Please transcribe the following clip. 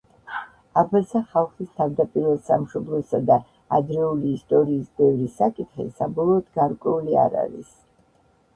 აბაზა ხალხის თავდაპირველ სამშობლოსა და ადრეული ისტორიის ბევრი საკითხი საბოლოოდ გარკვეული არ არის.